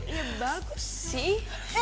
ya bagus sih